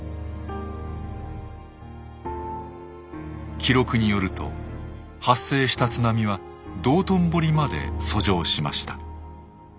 記録によると発生した津波は道頓堀まで遡上しました。